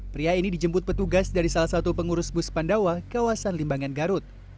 pria ini dijemput petugas dari salah satu pengurus bus pandawa kawasan limbangan garut